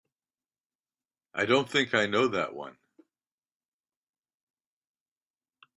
I don't think I know that one.